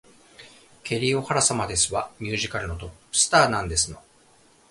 ケリー・オハラ様ですわ。ミュージカルのトップスターなんですの